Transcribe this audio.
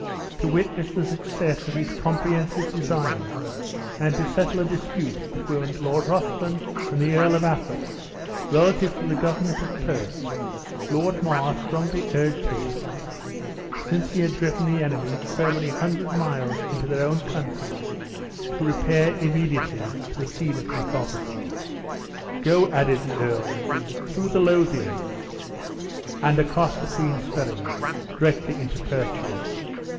To witness the success of his comprehensive designs, and to settle a dispute between Lord Ruthven and the Earl of Athol, relative to the government of Perth, Lord Mar strongly urged him (since he had driven the enemy so many hundred miles into their own country) to repair immediately to the scene of controversy. "Go," added the earl, "through the Lothians, and across the Queens ferry, directly into Perthshire.